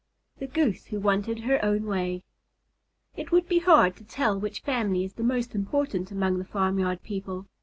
THE GOOSE WHO WANTED HER OWN WAY It would be hard to tell which family is the most important among the farmyard people.